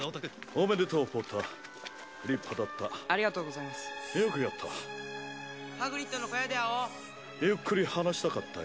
おめでとうポッター立派だったありがとうございますよくやったハグリッドの小屋で会おうゆっくり話したかったよ